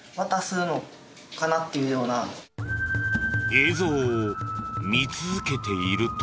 映像を見続けていると。